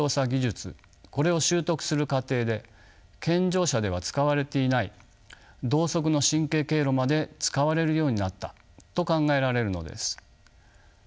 これを習得する過程で健常者では使われていない同側の神経経路まで使われるようになったと考えられるのです。